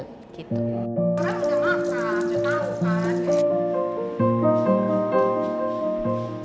selama berusia lima belas tahun